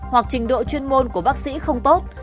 hoặc trình độ chuyên môn của bác sĩ không tốt